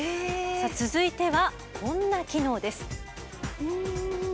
続いてはこんな機能です。